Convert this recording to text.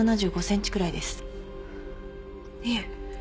いえ。